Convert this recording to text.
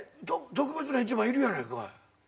特別な一番いるやないかい。